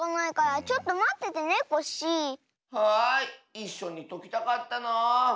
いっしょにときたかったなあ。